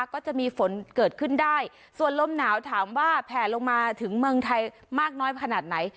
ก็จะมีฝนเกิดขึ้นได้ส่วนลมหนาวถามว่าแผ่ลงมาถึงเมืองไทยมากน้อยขนาดไหน